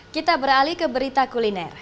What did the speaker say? kita beralih ke berita kuliner